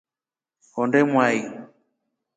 Honde mwai.